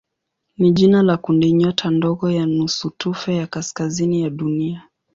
ni jina la kundinyota ndogo ya nusutufe ya kaskazini ya Dunia.